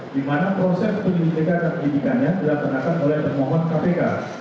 dimana proses penyelidikan dan penyelidikannya telah dilakukan oleh permohon kpk